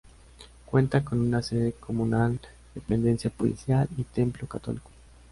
Cuenta con una sede comunal, dependencia policial y templo católico.